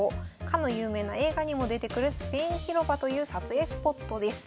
かの有名な映画にも出てくるスペイン広場という撮影スポットです。